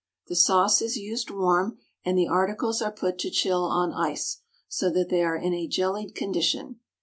The sauce is used warm, and the articles are put to chill on ice, so that they are in a jellied condition.